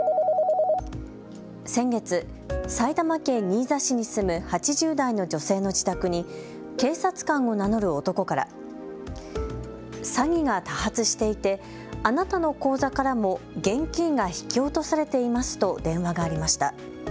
先月、埼玉県新座市に住む８０代の女性の自宅に警察官を名乗る男から詐欺が多発していてあなたの口座からも現金が引き落とされていますと電話がありました。